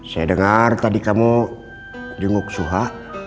saya dengar tadi kamu jenguk suha